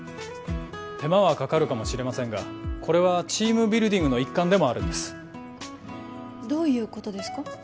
手間はかかるかもしれませんがこれはチームビルディングの一環でもあるんですどういうことですか？